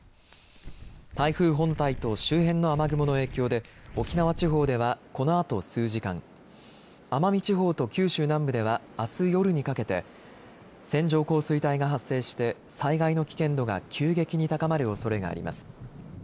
台風本体と周辺の雨雲の影響で沖縄地方ではこのあと数時間、奄美地方と九州南部ではあす夜にかけて、線状降水帯が発生して災害の危険度が急激に高まるおそれがあります。